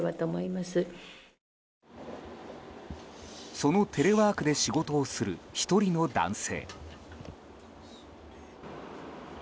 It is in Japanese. そのテレワークで仕事をする１人の男性。